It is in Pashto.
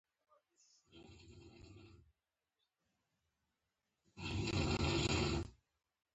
ایا مصنوعي ځیرکتیا د دودیزو روایتونو ارزښت نه کموي؟